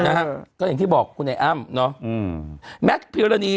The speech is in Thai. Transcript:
น่ะอืมก็อย่างที่บอกคุณไอ้อ้า่มเนอะอืมแมร์ภิรณี